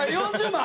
４０万